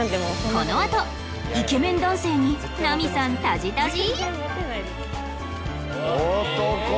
このあとイケメン男性にナミさんタジタジ？